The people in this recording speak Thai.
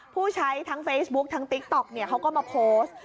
ผู้ใช้ทั้งเฟซบุ๊คทั้งติ๊กต๊อกเนี่ยเขาก็มาโพสต์